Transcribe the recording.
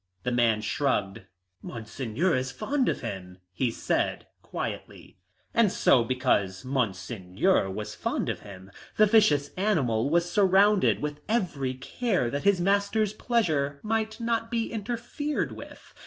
The man shrugged. "Monseigneur is fond of him," he said quietly. And so because Monseigneur was fond of him the vicious animal was surrounded with every care that his master's pleasure might not be interfered with.